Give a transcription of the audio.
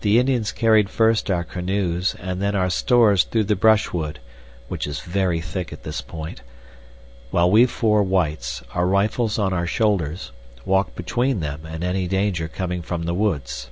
The Indians carried first our canoes and then our stores through the brushwood, which is very thick at this point, while we four whites, our rifles on our shoulders, walked between them and any danger coming from the woods.